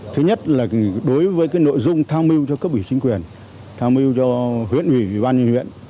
thứ nhất là đối với nội dung tham mưu cho cấp ủy chính quyền tham mưu cho huyện ủy ủy ban nhân huyện